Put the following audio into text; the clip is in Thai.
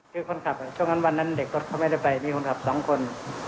คือคนขับช่วงนั้นวันนั้นเด็กรถเขาไม่ได้ไปมีคนขับสองคน